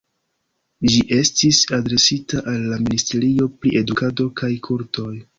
Ĝi estis adresita al la ministerio pri edukado kaj kultoj.